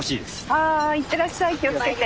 はいいってらっしゃい気をつけて。